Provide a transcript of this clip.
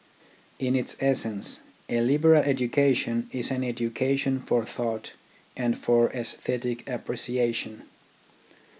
In its essence a liberal education is an education for thought and for aesthetic appreciation.